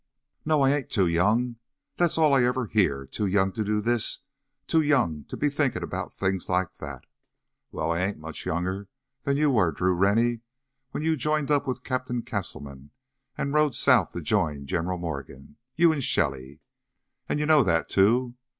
"No, I ain't too young! That's all I ever hear too young to do this, too young to be thinkin' about things like that! Well, I ain't much younger than you were, Drew Rennie, when you joined up with Captain Castleman and rode south to join General Morgan you and Shelly. And you know that, too!